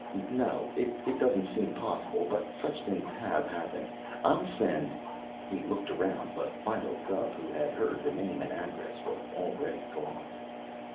No, it doesn't seem possible, but such things have happened. I'll send " He looked around, but Philo Gubb, who had heard the name and address, was already gone.